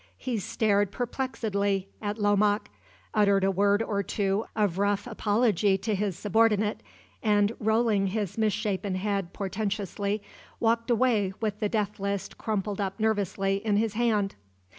He stared perplexedly at Lomaque; uttered a word or two of rough apology to his subordinate, and rolling his misshapen head portentously, walked away with the death list crumpled up nervously in his hand.